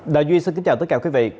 đại duy xin kính chào tất cả quý vị